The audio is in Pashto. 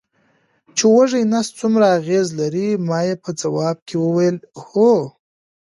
چې وږی نس څومره اغېز لري، ما یې په ځواب کې وویل: هو.